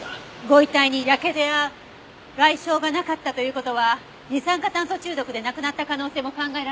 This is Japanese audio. ご遺体にやけどや外傷がなかったという事は二酸化炭素中毒で亡くなった可能性も考えられるわね。